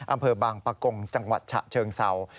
อำเภอบางปะกงจังหวัดฉะเชิงเศร้า